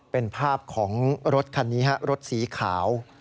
เป็นภาพของรถคันนี้ฮะรถสีขาว